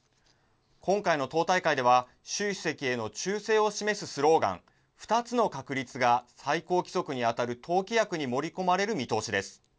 今回の党大会では習主席への忠誠を示すスローガン、２つの確立が最高規則にあたる党規約に盛り込まれる見通しです。